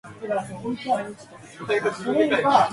脑婆脑婆